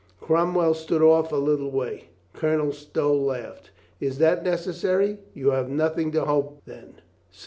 Cromwell stood off a little way. Colonel Stow laughed. "Is that necessary?" "You have nothing to hope, then?"